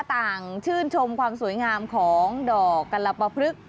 ต่างชื่นชมความสวยงามของดอกกัลปะพลึก